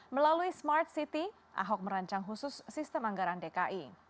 melalui smart city ahok merancang khusus sistem anggaran dki